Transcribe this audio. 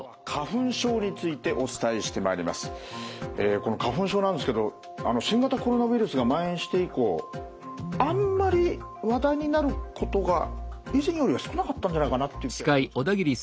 この花粉症なんですけど新型コロナウイルスがまん延して以降あんまり話題になることが以前よりは少なかったんじゃないかなという気はするんですけど。